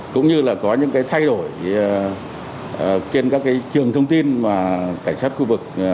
cũng như là có những thay đổi trên các trường thông tin mà cảnh sát khu vực